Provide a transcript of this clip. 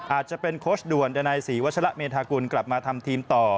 อาจจะเป็นโค้ชด่วนดันัยศรีวัชละเมธากุลกลับมาทำทีมต่อ